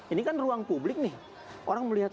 ini kan ruang publik nih orang melihat